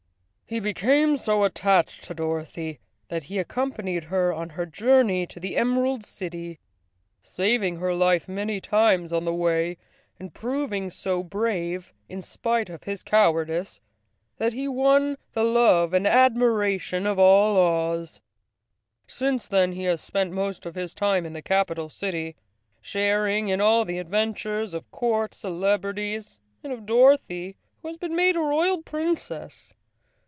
He became so at¬ tached to Dorothy that he accompanied her on her journey to the Emerald City, saving her life many times on the way, and proving so brave, in spite of his cowardice, that he won the love and admiration of all Oz. Since then he has spent most of his time in the capital city, sharing in all the adventures of court celebrities, and of Dorothy, who has been made a Royal Princess.